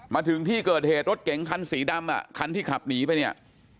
มาถึงที่เกิดเหตุรถเก๋งคันสีดำอ่ะคันที่ขับหนีไปเนี่ย